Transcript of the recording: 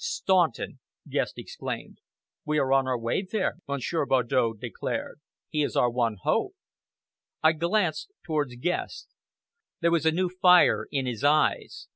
"Staunton!" Guest exclaimed. "We are on our way there," Monsieur Bardow declared. "He is our one hope!" I glanced towards Guest. There was a new fire in his eyes.